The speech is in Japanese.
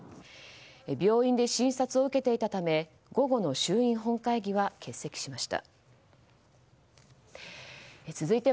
病院で診察を受けていたため午後の衆院本会議は欠席しました。